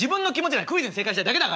クイズに正解したいだけだから。